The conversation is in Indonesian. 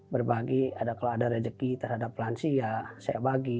berbagi kalau ada rezeki terhadap pelancia saya bagi